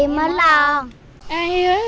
mới đông đuổi